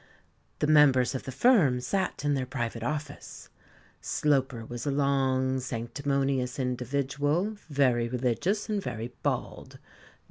The members of the firm sat in their private office. Sloper was a long, sanctimonious individual, very religious and very bald.